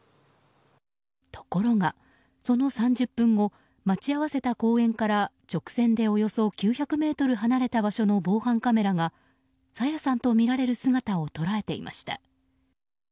ところが、その３０分後待ち合わせた公園から直線でおよそ９００ｍ離れた場所の防犯カメラが朝芽さんとみられる姿を捉えていました。